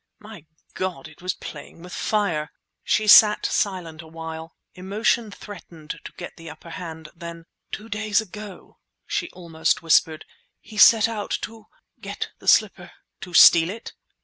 "My God! it was playing with fire!" She sat silent awhile. Emotion threatened to get the upper hand. Then— "Two days ago," she almost whispered, "he set out—to ... get the slipper!" "To steal it?"